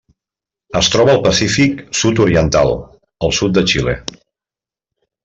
Es troba al Pacífic sud-oriental: el sud de Xile.